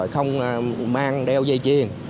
không mang đeo dây chuyền